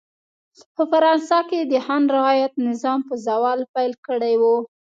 په فرانسه کې د خان رعیت نظام په زوال پیل کړی و.